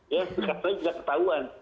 ya sekarang juga ketahuan